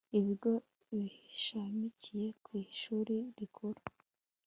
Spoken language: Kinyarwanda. ibigo bishamikiye ku ishuri rikuru